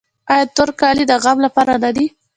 آیا تور کالي د غم لپاره نه دي؟